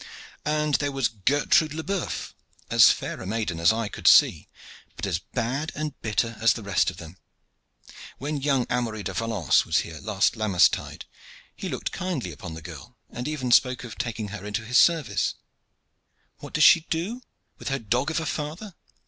"And there was Gertrude Le Boeuf, as fair a maiden as eye could see, but as bad and bitter as the rest of them. When young Amory de Valance was here last Lammastide he looked kindly upon the girl, and even spoke of taking her into his service. What does she do, with her dog of a father?